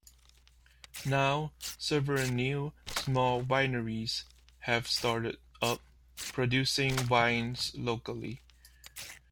Now, several new, small wineries have started up, producing wines locally.